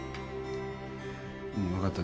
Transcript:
うん分かった。